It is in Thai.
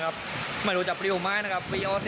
ปลิวประหว่างเที่ยว